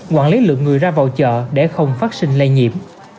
quản lý lượng người ra vào chợ để không phát sinh lây nhiễm